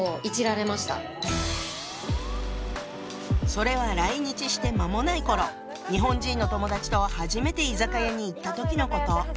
それは来日して間もない頃日本人の友達と初めて居酒屋に行った時のこと。